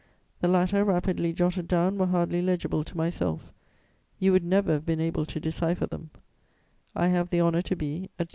The latter, rapidly jotted down, were hardly legible to myself. You would never have been able to decipher them. "I have the honour to be, etc."